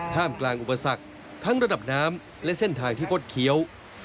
มกลางอุปสรรคทั้งระดับน้ำและเส้นทางที่คดเคี้ยว